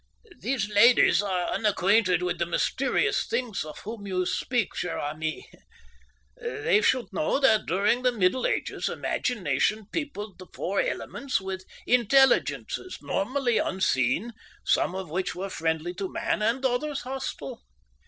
"These ladies are unacquainted with the mysterious beings of whom you speak, cher ami. They should know that during the Middle Ages imagination peopled the four elements with intelligences, normally unseen, some of which were friendly to man and others hostile.